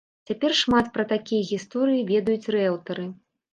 Цяпер шмат пра такія гісторыі ведаюць рыэлтары.